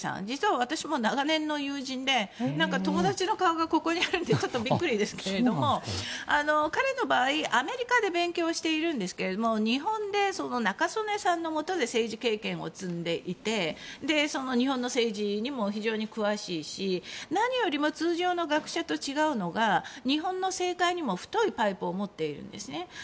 実は、私も長年の友人で友達の顔がここにあるのでびっくりですけど彼の場合アメリカで勉強しているんですけども日本で中曽根さんのもとで政治経験を積んでいて日本の政治にも非常に詳しいし何よりも通常の学者と違うのが日本の政界にも太いパイプを持っているんですね。